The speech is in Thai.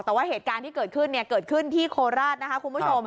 แต่ว่าเหตุการณ์ที่เกิดขึ้นที่โคราช